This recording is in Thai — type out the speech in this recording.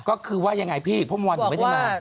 ก็คือว่ายังไงพี่เพิ่มวันหนึ่งไม่ได้มา